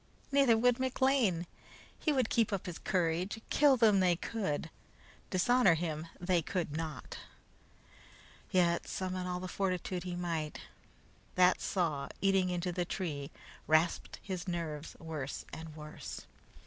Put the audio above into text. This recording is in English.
Neither would McLean. He would keep up his courage. Kill him they could; dishonor him they could not. Yet, summon all the fortitude he might, that saw eating into the tree rasped his nerves worse and worse.